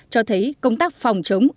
cho thấy công tác phòng chống